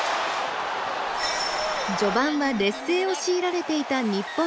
序盤は劣勢を強いられていた日本代表でした。